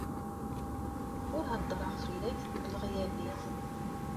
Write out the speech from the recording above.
Ur heddreɣ fell-ak deg leɣyab-ik.